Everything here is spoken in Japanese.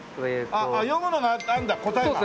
あっ読むのがあるんだ答えが。